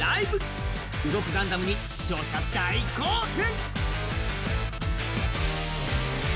更に動くガンダムに視聴者大興奮。